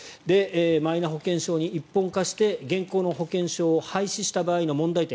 マイナ保険証に一本化して現行の保険証を廃止した場合の問題点